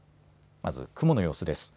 まず雲の様子です。